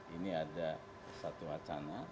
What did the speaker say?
ini ada satu acana